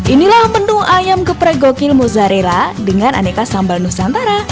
inilah menu ayam geprek gokil mozzarella dengan aneka sambal nusantara